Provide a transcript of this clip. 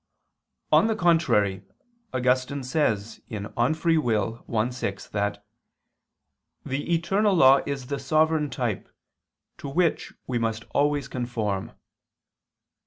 On the contrary, Augustine says (De Lib. Arb. i, 6) that "the eternal law is the sovereign type, to which we must always conform."